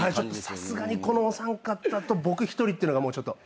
さすがにこのお三方と僕一人ってのがちょっと。